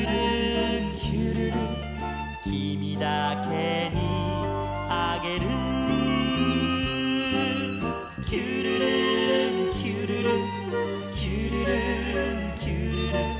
「きみだけにあげる」「きゅるるんきゅるるきゅるるんきゅるる」